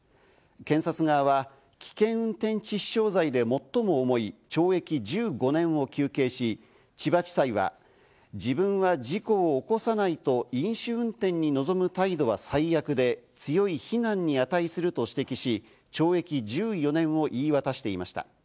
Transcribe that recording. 検察側は危険運転致死傷罪で最も重い懲役１５年を求刑し、千葉地裁は自分は事故を起こさないと飲酒運転にのぞむ態度は最悪で強い非難に値すると指摘し、懲役１４年を言い渡していました。